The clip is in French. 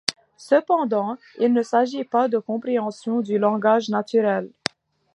Cependant, il ne s'agit pas de compréhension du langage naturel.